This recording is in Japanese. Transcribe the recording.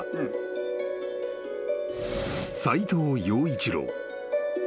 ［斎藤羊一郎］